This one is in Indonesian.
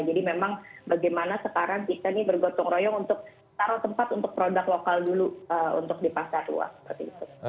jadi memang bagaimana sekarang kita ini bergotong royong untuk taruh tempat untuk produk lokal dulu untuk di pasar luas